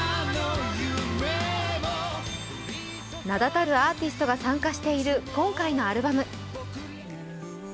名だたるアーティストが参加している今回のアルバム。